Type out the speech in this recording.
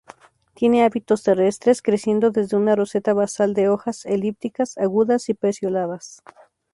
Tiene hábitos terrestres, creciendo desde una roseta basal de hojas elípticas, agudas y pecioladas.